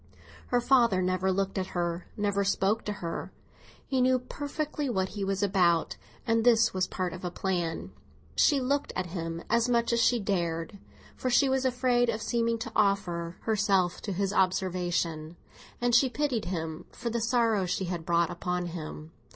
Her father never looked at her, never spoke to her. He knew perfectly what he was about, and this was part of a plan. She looked at him as much as she dared (for she was afraid of seeming to offer herself to his observation), and she pitied him for the sorrow she had brought upon him.